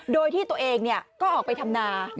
โดยที่ตัวเองก็ออกไปทำนา